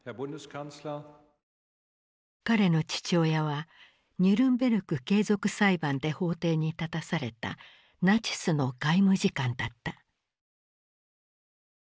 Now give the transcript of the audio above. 彼の父親はニュルンベルク継続裁判で法廷に立たされたナチスの外務次官だった。